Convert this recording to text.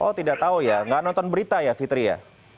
oh tidak tahu ya nggak nonton berita ya fitri ya